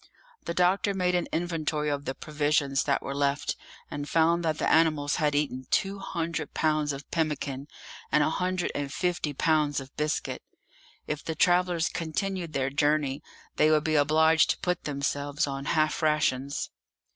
The doctor made an inventory of the provisions that were left, and found that the animals had eaten two hundred pounds of pemmican and a hundred and fifty pounds of biscuit; if the travellers continued their journey they would be obliged to put themselves on half rations.